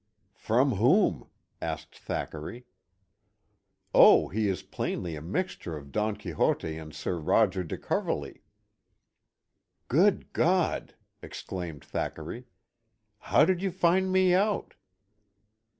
From whom ?" asked Thackeray. ' Oh, he is plainly a mixture of Don Quixote and Sir Roger de Coverley." " Good God I " exclaimed Thackeray. "How did you find me out?"